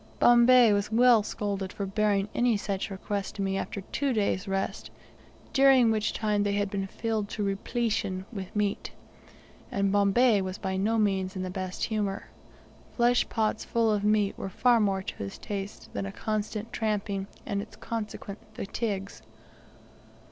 Bombay was well scolded for bearing any such request to me after two days' rest, during which time they had been filled to repletion with meat. And Bombay was by no means in the best of humour; flesh pots full of meat were more to his taste than a constant tramping, and its consequent fatigues.